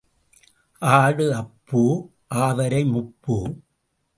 ஆடு அப்பூ, ஆவாரை முப்பூ.